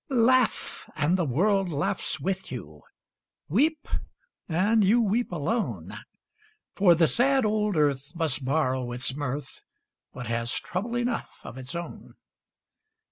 Laugh, and the world laughs with you; Weep, and you weep alone; For the sad old earth must borrow its mirth, But has trouble enough of its own.